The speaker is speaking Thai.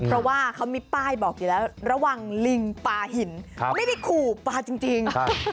เพราะว่าเขามีป้ายบอกอยู่แล้วระวังลิงปลาหินไม่ได้ขู่ปลาจริง